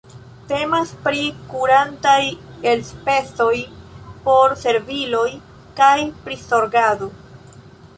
Temas pri kurantaj elspezoj por serviloj kaj prizorgado.